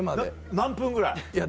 何分ぐらい？